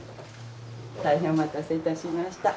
大変お待たせいたしました。